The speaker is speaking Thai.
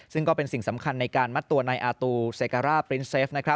ซึ่งก็เป็นสิ่งสำคัญในการมัดตัวในอาตูเซการ่าปรินเซฟ